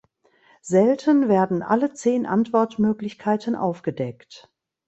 Selten werden alle zehn Antwortmöglichkeiten aufgedeckt.